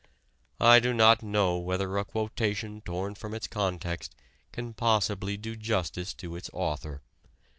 I do not know whether a quotation torn from its context can possibly do justice to its author.